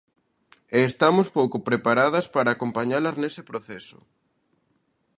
E estamos pouco preparadas para acompañalas nese proceso.